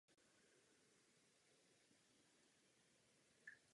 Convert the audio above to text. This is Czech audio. Nalezneme jej však na celém území našeho státu a také v sousedních státech.